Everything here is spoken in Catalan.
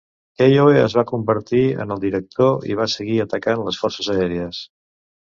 Keyhoe es va convertir en el director i va seguir atacant les Forces Aèries.